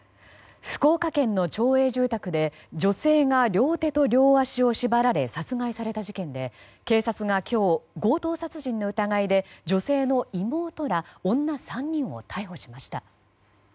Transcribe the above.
福岡県の町営住宅で女性が両手と両足を縛られ殺害された事件で警察が今日、強盗殺人の疑いで女性の妹ら女３人を逮捕しました。